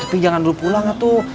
tapi jangan dulu pulang ya tuh